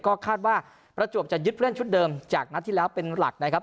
ก็คาดว่าประจวบจะยึดเล่นชุดเดิมจากนัดที่แล้วเป็นหลักนะครับ